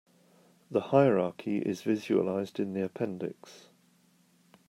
The hierarchy is visualized in the appendix.